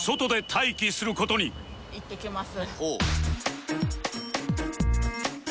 いってきます。